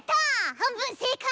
半分正解！